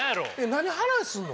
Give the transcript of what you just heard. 何話すの？